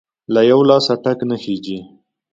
له يوه لاسه ټک نه خيږى.